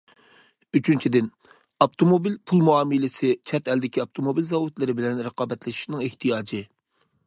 ئۈچىنچىدىن، ئاپتوموبىل پۇل مۇئامىلىسى چەت ئەلدىكى ئاپتوموبىل زاۋۇتلىرى بىلەن رىقابەتلىشىشنىڭ ئېھتىياجى.